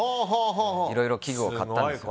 いろいろ器具を買ったんですよ。